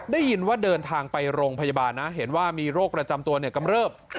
ได้ยินว่าเดินทางไปโรงพยาบาลนะเห็นว่ามีโรคประจำตัวกำเริบ